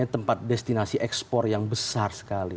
tempat destinasi ekspor yang besar sekali